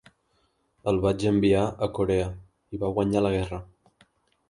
El vaig envia a Corea i va guanyar la guerra.